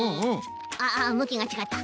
ああっむきがちがった。